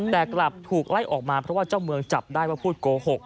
แต่กลับถูกไล่ออกมาเพราะว่าเจ้าเมืองจับได้ว่าพูดโกหก